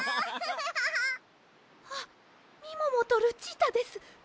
・あっみももとルチータです！